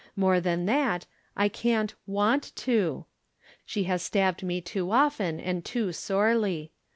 More than that, I can't want to. She has stabbed me too often and too sorely.